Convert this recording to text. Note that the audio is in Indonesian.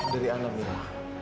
dari anak ibu